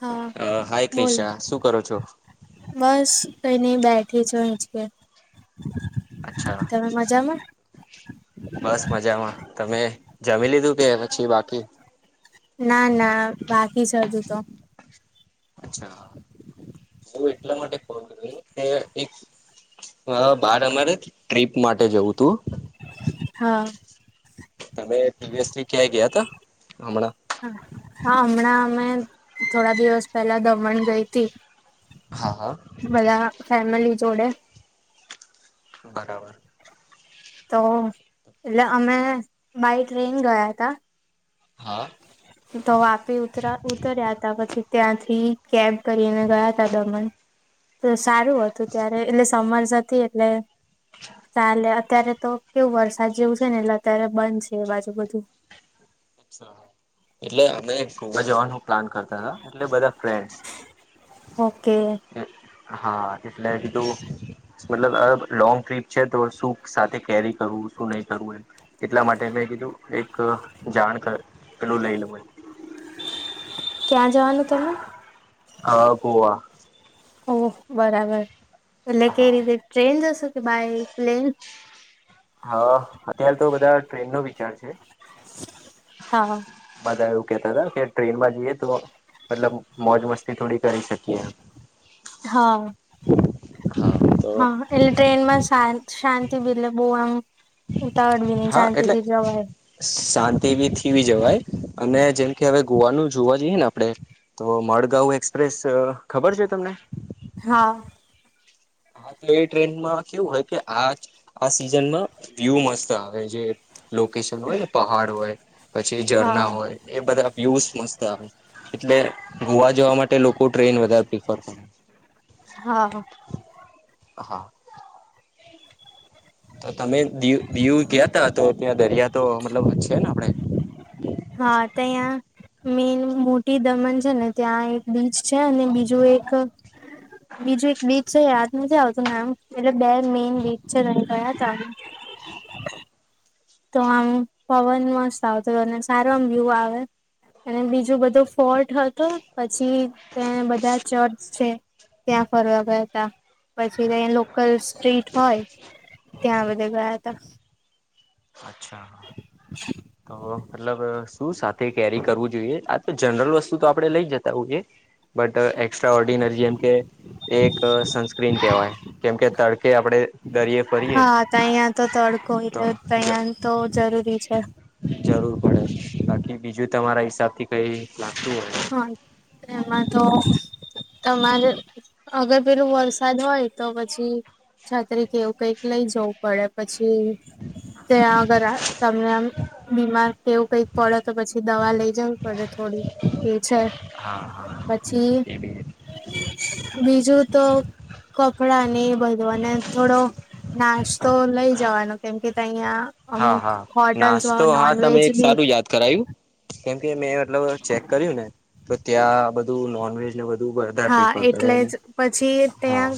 હા અ હાય બોલ ક્રીશા, શું કરો છો? બસ કઈ નઈ બેઠી છું હિચકે અચ્છા તમે મજામાં. બસ મજામાં. તમે જમી લીધું કે પછી બાકી ના ના બાકી શે હજું તો અચ્છા હું એટલા માટે ફોન કર કે એક બાર અમારે ટ્રીપ માટે જવું તુ હા અમે પ્રીવીસથી ક્યાંય ગયા હતા હમણાં હા હમણાં અમે થોડા દિવસ પેલા દમણ ગઈ હતી. હા હા બધા ફેમિલી જોડે બરાબર તો એટલે અમે બાય ટ્રેન ગયા હતા હા તો વાપી ઉતરા ઉતર્યા હતા પછી ત્યાંથી કેપ કરીને ગયા તા દમન [inaudible] સારું હતું ત્યારે એટલે સમર એટલે ચાલે અત્યારે તો કેવું વરસાદ જેવું છે ને એટલે અત્યારે બંધ છે એ બાજુ બધું અચ્છા એટલે અમે ગોવા જવાનું પ્લાન કરતા હતા એટલે બધા ફ્રેન્ડ્સ ઓકે હા એટલે કીધું મતલબ લોંગ ટ્રીપ છે તો શું સાથે કેરી કરવું શું નહી કરવું એમ એટલા માટે મેં કીધું એક જાણ તો પેલુ લઈ લેમ એમ ક્યાં જવાનું તમે હા પોવા ઓ બરાબર એટલે હા કેવી રીતે ટ્રેન જશે કે બાય પ્લેન હા અત્યારે તો બધા ટ્રેનનો વિચાર છે. હા બધા એવું કેતા હતા ટ્રેનમાં જઈએ તો મતલબ મોજ મસ્તી થોડી કરી શકીએ એમ હા હા તો હા એટલે ટ્રેનમાં શા શાંતિ બી એટલે બો એમ હા એટલે શાંતિ બી થીવી જવાય અને જેમ કે હવે ગોવાનું જોવા જઈએ ને આપણે તો મડગાઉ એક્સપ્રેસ ખબર છે તમને હા હા તો એ ટ્રેનમાં કેવું હોય કે આ આ સીઝનમાં વ્યુ મસ્ત આવે જે લોકેશન હોય ને પહાડ હોય પછી હા ઝરના હોય એ બધા યુઝ મસ્ત આવે એટલે ગોવા જવા માટે લોકો ટ્રેન વધારે પ્રિફર કરે હા હા તો તમે દ દીવ ગયા ત તો ત્યાં દરિયા તો મતલબ છે ને આપણેે હા ત્યાં મેન મોટી દમણ છે ને ત્યાં એક બીચ છે અને બીજું એક બીજું એક બીચ છે યાદ નથી આવતું ને નામ એટલે બે મેઇન બિચ છે ગયા ત્યાં અમે તો આમ પવન મસ્ત આવતો અને સારો આમ વ્યુ આવે અને બીજું બધું ફોર્ટ હતો પછી તેને બધા ચર્ચ છે ક્યાં ફરવા બે પછી ત લોકલ સ્ટ્રીટ હોય ત્યાં બધા ગયા ત અચ્છા તો મતલબ શું સાથે કેરી કરવું જોઈએ આ તો જનરલ વસ્તુ તો આપડણે લઈ જતા હોઈએ બટ એકસ્ટ્રા ઓર્ડિનરી જેમકે એક સનસ્ક્રીન કહેવાય કેમકે તડકે આપણે દરીયે ફરીએ હા ત્યાં તો તડકો તો એટલે ત્યાં તો જરૂરી છે જરૂર પડે બીજું તમારા હિસાબથી કઈ લાગતું હોય હા એમાં તો તમારે અગર પેલું વરસાદ હોય તો પછી છાત્રી કેવું કઈક લઈ જવું પડે પછી ત્યાં અગર તમને આમ બીમાર તેવું કંઈ પડત તો પછી દવા લઈ જવું પડે થોડી એ છે હા હા પછી એ બી બીજું તો કપડાં ને એ બધું અને થોડો નાસ્તો લઈ જવાનો કેમ કે કહીયા હા હા નાસ્તો હા તમે એક બી સારું યાદ કરાયું કેમ કે મે મતલબ ચેક કર્યું ને તો ત્યાં બધું નોનવેજ ને બધું વધારે હા પ્રિફર કરે એટલે અને જ પછી હા ત્યાં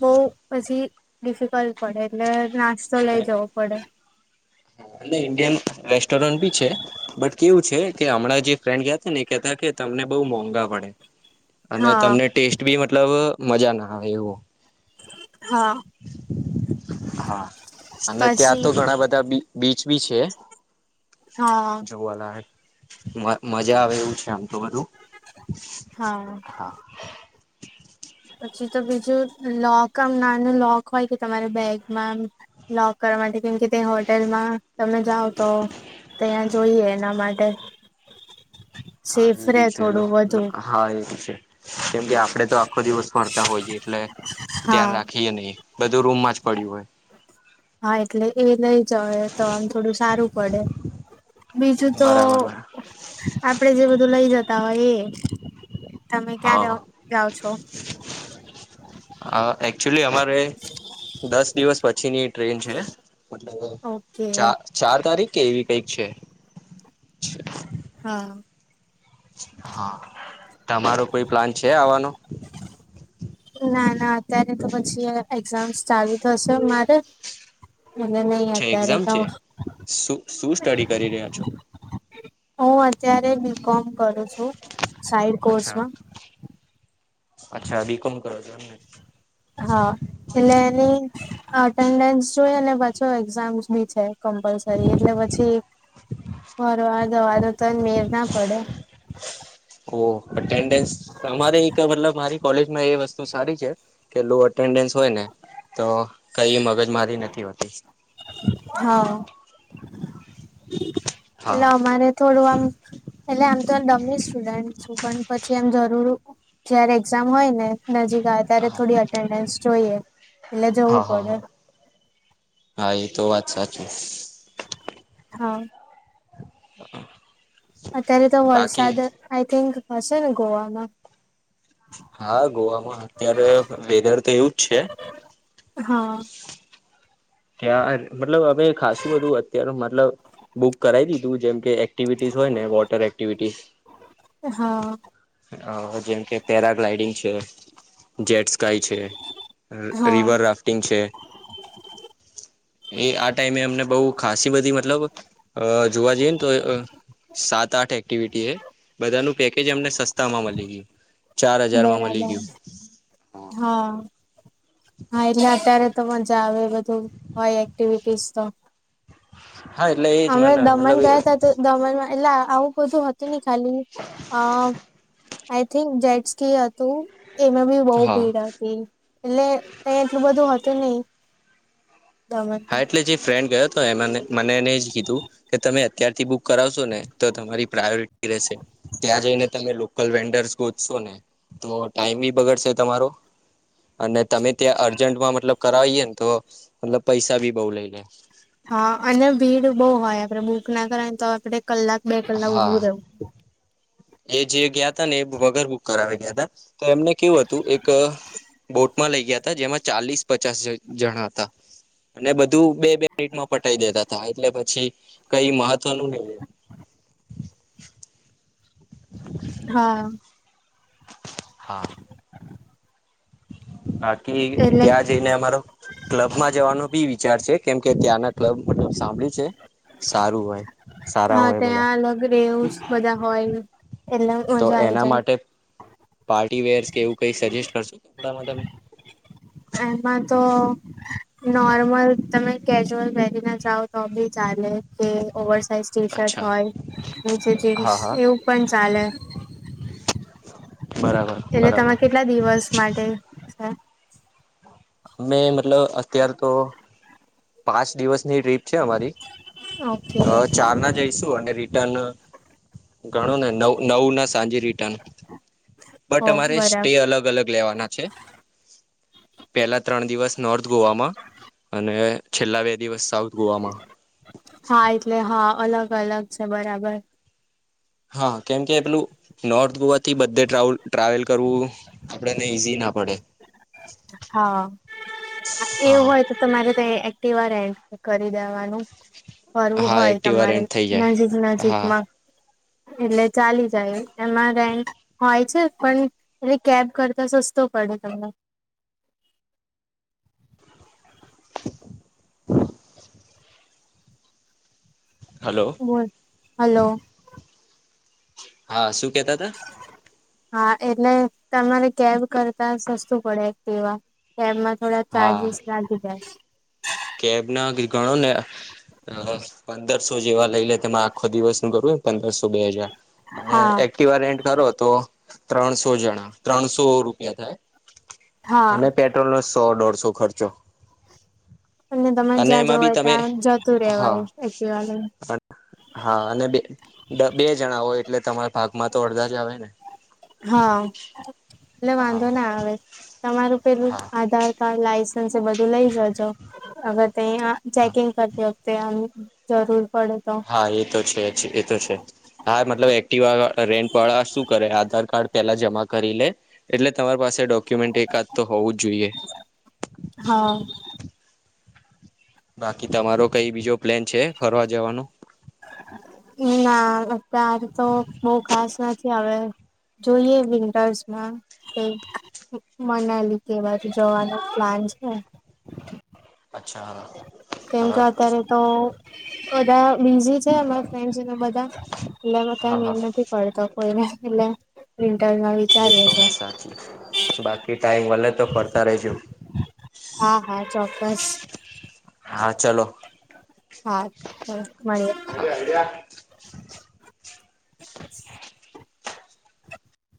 બહુ પછી ડિફિકલ્ટ પડે એટલે નાસ્તો લઈ જવો પડે ા એટ ઇન્ડિયન રેસ્ટોરન્ટ બી છે બટ કેવું છે કે હમણાં જે ફ્રેન્ડ ગયા હતા ને કેતા કે તમને બહુ મોંઘા પડે અને હા તમને ટેસ્ટ બી મ તલબ મજા ના આવે એવું. હા હા અને પછી ત્યાં તો ઘણા બધા બી બીચ બી છે. હા જુવાના હોય. મજા આવે એવું છે આમ તો બધું. હા. પછી તો બીજું લોક આમ નાનું લોક હોય કે તમારે બેગમાં એમ લોક કરવા માટે કેમ કે તે હોટેલમાં તમે જાઓ તો ત્યાં જોઇએ એના માટે. હા સેફ એ રે બી છે લો થોડું વધુ લો હા એ બી છે કેમ કે આપડે તો આખો દિવસ ફરતા હોઈયે એટલે હા ધ્યાન રાખીએ ની. બધું રૂમમાં જ પડ્યું હોય. હા એટલે એ લઈ જવે તો આમ થોડું સારું પડે. બીજું તો બરાબર બરાબર પડે જે બધું લઈ જતા હોય એ. તમે ક્યારે હા જાઓ છો અ એકચુલી અમારે દસ દિવસ પ છી ની ટ્રેન છે. મતલબ ઓકે ચા ચાર તારીખ કે એવી કઈક છે. હા. હા તમારો કોઈ પ્લાન છે આવાનો. ના ના અત્યારે તો પછી એક્ઝામસ ચાલુ થશે મારે. એટલે નહી છે અત્યારે એક્ઝામ તો છે શું શું સ્ટડી કરી રહ્યા છો હું અત્યારે બી કોમ કરું છું સાઇડ અચ્છા કોર્સમાં. અચ્છા બી કોમ કરો છો એમને. હા [unintelligible] અટેન્ડન્સ જોયે ને પછો એક્ઝામ્સ બી છે. કમ્પલસરી એટલે પછી ફરવા જવાનું તો મેર ના પડે વો. અન્ડન્સ તમારી એક મતલબ મારી કોલેજ ને એ વસ્તુ સારી છે કે લો અટેન્ડન્સ તો કઈ મગજમારી નથી હોતી. હા. હા એલા અમારે થોડું પેલા આમ તો ડમી સ્ટુડન્ટ છે પણ પછી એમ જરૂરી. જયારે એક્ઝામ હોય ને નજીક આવે ત્યારે થોડી અટેન્ડન્સ જોઈએ એટલે જવું હા હા પડે. હા હા એ તો વાત સાચી. હા. હ અત્યારે તો વરસાદ આઈ થિંક હશે ને ગોવાવામાં હા ગોવામાં અત્યારે વેધર તો એવુંજ છે. હા ત્યા મતલબ અમે ખાસું બધું અત્ય્યારે મતલબ બુક કરાવી દીધું જેમ કે એક્ટિવિટીસ હોય ને વોટર એક્ટિવિટીસ હા અ જેમ કે પેરાગ્લાઇડિંગ છે જેટસ ાય છે હા રિવર રાફ્ટિંગ છે. એ આ ટાઈમે અમને બહ ખાાસસી બધી મતલબ જોવા જઈએ ને તો સાત આઠ એક્ટિવિટી એ બધાનું પેકેજ અમને સસ્તામાં મળી ગયું. ચાર હજારમાં મળી બરાબર ગયું હા હા એટલે અત્યારે તો મજા આવે બધું હોય એક્ટિવિટીઝ તો હા એટલે એજ મને મતલબ. એલા આવું બધું હત ન. ખાલી આ આઈ થિંક જેટ્સ ક હતું. એમાં બી બઉુ હા ભીડ હતી એટલે ત્યાં એટલું બધું હત. તહી. હા એટલે જે ફ્રેન્ડ ગયો તો એ મને એને જ કીધું કે તમે અત્યારથી બુક કરાવશો ને તો તમારી પ્રાયોરિટી રહેશે ત્યાં જઈને તમે લોકલ વેન્ડર્સ ગોચશો ને તો ટાઈમ બી બગડશે તમારો અને તમે ત્યાં અર્જન્ટમાં મતલબ કરાવએ ને તો મતલબ પૈસા ભી બઉુ લઈ લે. હા અને ભીડ બહુ હોય આપડે બુક ના કર તો આપણે કલાક બે કલાક હા ઉઊભું રહેવું. એ જે ગયા તા ને એ વગર. કરાવી ગયા હતા તો એમને કેવું હતું એક બોટ માં લઇ ગયા હતા જેમાં ચાલીસ પચાસ જણા હતા અને બધું બે બે મિનિટમાં પટી દેતા હતાા એટલે પછી કઈ મહત્વનું નહ એ હા. હા. અ [unintelligible] કે એટલે ત્યાં જઈને અમારો ક્લબ માં જવાનો બી વિચાર છે કેમ કે ત્યાંના ક્લબ મતલબ સાંભળી છે સારું હોય. સારા હા હોય બધા ત્યાં અલગ રેવસ બધા હોય. એટલે મજા આ તો એના જાય. માટે પાર્ટી વર્સ કે એવું કઈ સજેસ્ટ કરશો? કપડામાં તમે? એમાં તો નોર્મલ તમે કેજ્યુઅલ વહેરી ના જાાવ તો બી ચાલે. કે ઓવર સાઇઝ ટી શર્ટ અચ્છા હોય નીચે હા જીન્સ હા એવું પણ ચાલે. બરાબર એટલે તમે બરાબર કેટલા દિવસ માટે છે? અમે મતલબ અખત્યાર તો પાંચ દિવસની ટ્રીપ છે અમારી ઓકે! રિટન ગણોને ન નવ ના સાંજે. રટન બ હો અમારે સ્ટે બરાબર અલગ અલગ લેવાના છે. પહેલા ત્રણ દિવસ નોર્થ ગોવામાં અને છેલ્લા બે દિવસ સાઉથ ગોવામાં હા એટલે હા અલગ અલગ છે બરાબર. હા કેમકે એલું નોર્થ ગોવાથી બધે ટ્રાવેલ કરવું આપડને ઈઝી ના પડે. હા એવું હા હોય તો તમારે એક્ટિવા રેન્ટ કરી દેવાનું. ફરવું હા હોય એક્ટિવા તમારે રેન્ટ થઈ જાય નજીક હા નજીકમાં એટલે ચાલી જાય એમાં રેન્ટ હોય છે પણ એટલે કેબ કરતા સસ્તો પડે તમને. હલો બોલ. હલો! હા શું કેતા હતા. હા એટલે તમારે કેબ કરતા સસ્તું પડે એકટીવા કેબમાં થોડા ચાર્જેસ લાગી જાય. કેબ ના ગણો ને પંદરસો જેવા લઈ લે તેમાં આખો દિવસ નું ઘણું પંદરસો બે હજાર હા એક્ટવા કરો તો ત્રણસો જણા, ત્રણસો રૂપિયા થાય. હા અને પેટ્રોલ નો સો દોઢસો ખર્ચો તમે અને જ્યાં એમાં જવું બી હોય તમે ત્યાં જતું હા રેવાય એક્ટિવા લઈને હા અને બે બે જણા હો એટલે તમારા ભાગમાં તો અડધા જ આવે ને. હા. એટલે હા વાંધો ના આવે તમારું પેલું હા આધાર કાર્ડ લ બધું લઈ જજો અગર તે હા ચેકિંગ કરતી તે જરૂર પડે તો હા એ તો છે, એ તો છે, હા મતલબ એક્ટિવ રેન્ટ વાળા શું કરે, આધાર કાર્ડ પેલા જમા કરી લે એટલે તમારી પાસે ડોક્યુમેન્ટ એકાદ તો હોવું જ જોઈએ, હા બાકી તમારો કઈ બીજો પ્લેન છે, ફરવા જવાનો? ના અત્યાર તો બહ ખાસ નથી હવે જોઈએ, વિન્ટર્સમાં મનાલી કે બાજુ જવાનું પ્લાન છે. અચ્છા કેમ કે હા અત્યારે તો ઓદ બીઝી છે અમારા ફ્રેન્્સને બધા [unintelligible] એટલે હા ત્યાં હા મન નથી પડતો કોઈને એટલે વિન્ટરમાં એતો વિચારીએ છે વાત સાચી બાકી ટાઈમ વલે તો ફરતા રજો, હા હા ચોક્કસ હા, ચલોો હા મળીએ [unintelligible] [unintelligible]